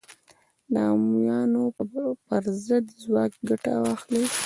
د امویانو پر ضد ځواک ګټه واخلي